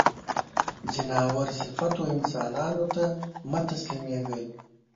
ځناور صفتو انسانانو ته مه تسلیمېږی.